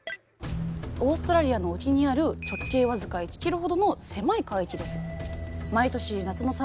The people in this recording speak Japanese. オーストラリアの沖にある直径僅か１キロほどの狭い海域です。